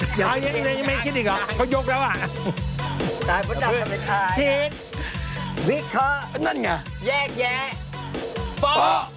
ชิคกี้พายวิเคราะห์แยกแยะโป๊ะ